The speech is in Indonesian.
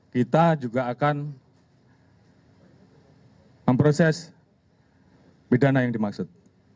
kita juga akan memproses pidana yang dimaksud